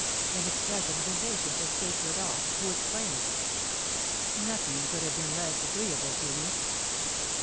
An expression of impatience escaped Rodolph, who exclaimed: "Nothing could have been less agreeable to me.